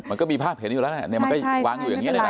มันก็มีภาพเห็นอยู่แล้วแหละมันก็วางอยู่อย่างนี้เลยนะ